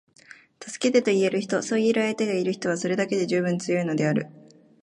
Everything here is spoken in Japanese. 「助けて」と言える人，そう言える相手がいる人は，それだけで十分強いのである．